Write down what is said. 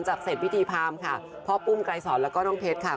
โดยจากเสร็จพิธีพราหมณ์ค่ะพ่อปุ้มกลายสอนแล้วก็น้องเพชรค่ะ